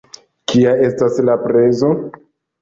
Kia estas la prezo?